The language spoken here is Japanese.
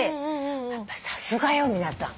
やっぱさすがよ皆さん。